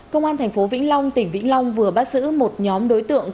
công an thành phố vĩnh long tỉnh vĩnh long vừa bắt giữ một nhóm đối tượng